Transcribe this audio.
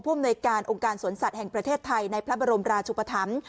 อำนวยการองค์การสวนสัตว์แห่งประเทศไทยในพระบรมราชุปธรรม